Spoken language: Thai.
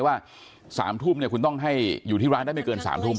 ว่าสามทุ่มคุณต้องไปร้านในร้านไม่เกินสามทุ่ม